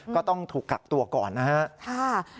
ก็ต้องถูกกักตัวก่อนนะครับ